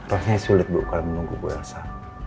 rasanya sulit bu kalian menunggu bu elsa